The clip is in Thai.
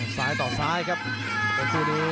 สายต่อสายครับมาเกิดคู่นี้